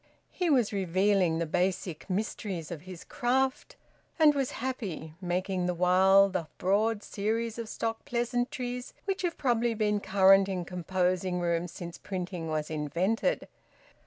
He was revealing the basic mysteries of his craft, and was happy, making the while the broad series of stock pleasantries which have probably been current in composing rooms since printing was invented.